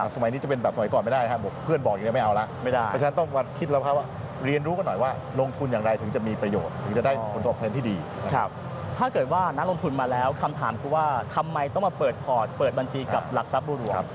สมัยนี้จะเป็นแบบสมัยก่อนไม่ได้ครับ